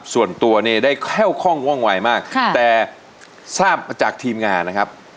ส่วนตัวนี่ได้แค่วข้องว่องไหวมากแต่ทราบจากทีมงานนะครับ